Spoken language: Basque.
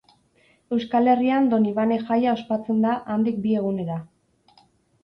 Euskal Herrian Donibane jaia ospatzen da handik bi egunera.